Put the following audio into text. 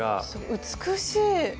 美しい！